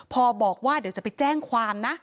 พอบอกว่าเดี๋ยวจะไปแจ้งความนะ